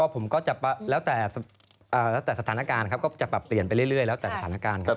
ผมก็จะแล้วแต่สถานการณ์ครับก็จะปรับเปลี่ยนไปเรื่อยแล้วแต่สถานการณ์ครับ